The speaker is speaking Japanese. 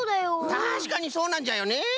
たしかにそうなんじゃよね。